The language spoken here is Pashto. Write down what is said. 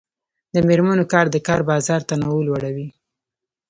د میرمنو کار د کار بازار تنوع لوړوي.